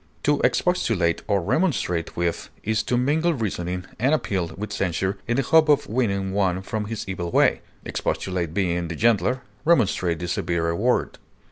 To expostulate or remonstrate with is to mingle reasoning and appeal with censure in the hope of winning one from his evil way, expostulate being the gentler, remonstrate the severer word.